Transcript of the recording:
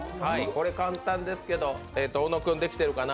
簡単ですけど、小野君できてるかな？